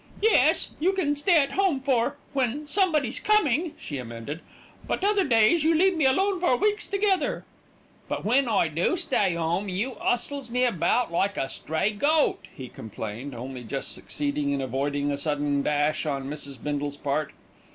"Yes, you can stay at home for when somebody's coming," she amended, "but other days you leave me alone for weeks together." "But when I do stay at 'ome you 'ustles me about like a stray goat," he complained, only just succeeding in avoiding a sudden dash on Mrs. Bindle's part.